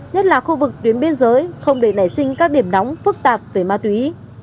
nhất là khu vực tuyến biên giới không để nảy sinh các điểm nóng phức tạp về ma túy